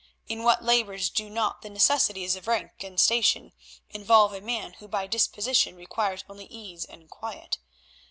In what labours do not the necessities of rank and station involve a man who by disposition requires only ease and quiet!